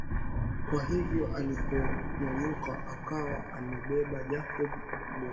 Kwahivyo aliponyanyuka akawa amembeba Jacob mgongoni